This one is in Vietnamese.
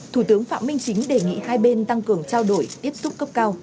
thủ tướng phạm minh chính đề nghị hai bên tăng cường trao đổi tiếp xúc cấp cao